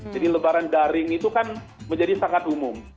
jadi lebaran daring itu kan menjadi sangat umum